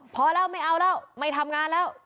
พอแล้วไม่เอาแล้วไม่ทำงานแล้ว